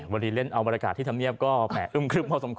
เวลาเล่นเอาบริการที่ทำเงียบก็แผ่อุ้มคลึมพอสมควร